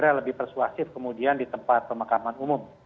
saya kira lebih persuasif kemudian di tempat pemakaman umum